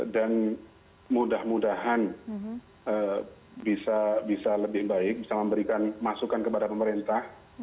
dan mudah mudahan bisa lebih baik bisa memberikan masukan kepada pemerintah